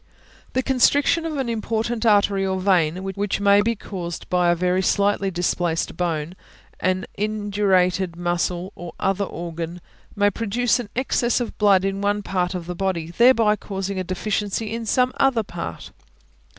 The constriction of an important artery or vein, which may be caused by a very slightly displaced bone, an indurated muscle, or other organ, may produce an excess of blood in one part of the body, thereby causing a deficiency in some other part.